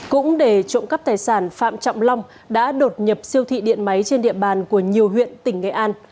cũng để trộm cắp tài sản phạm trọng long đã đột nhập siêu thị điện máy trên địa bàn của nhiều huyện tỉnh nghệ an